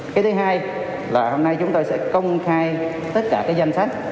cái thứ hai là hôm nay chúng tôi sẽ công khai tất cả cái danh sách